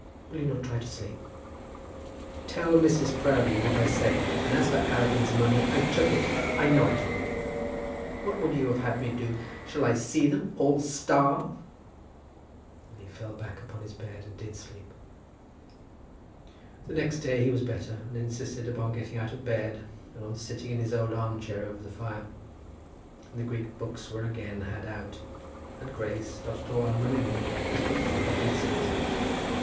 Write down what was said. Will you not try to sleep?" "Tell Mrs. Proudie what I say; and as for Arabin's money, I took it. I know I took it. What would you have had me do? Shall I see them all starve?" Then he fell back upon his bed and did sleep. The next day he was better, and insisted upon getting out of bed, and on sitting in his old arm chair over the fire. And the Greek books were again had out; and Grace, not at all unwillingly, was put through her facings.